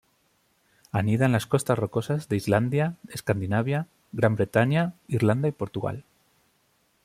Anida en las costas rocosas de Islandia, Escandinavia, Gran Bretaña, Irlanda y Portugal.